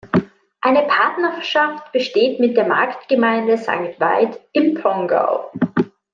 Eine Partnerschaft besteht mit der Marktgemeinde Sankt Veit im Pongau.